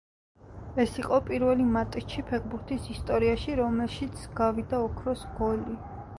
ეს იყო პირველი მატჩი ფეხბურთის ისტორიაში, რომელშიც გავიდა ოქროს გოლი.